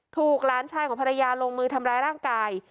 หลานชายของภรรยาลงมือทำร้ายร่างกาย